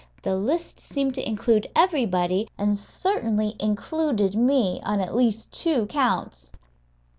The list seemed to include everybody, and certainly included me on at least two counts.